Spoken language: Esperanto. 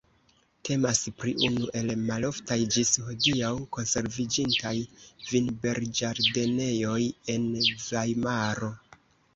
Temas pri unu el maloftaj ĝis hodiaŭ konserviĝintaj vinberĝardenejoj en Vajmaro.